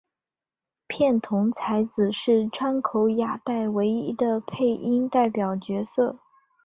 片桐彩子是川口雅代唯一的配音代表角色。